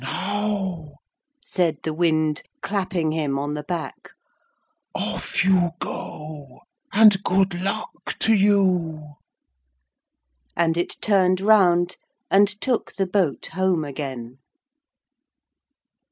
'Now,' said the wind, clapping him on the back, 'off you go, and good luck to you!' And it turned round and took the boat home again.